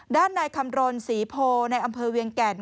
ด้านนายคำรณศรีโพในอำเภอเวียงแก่น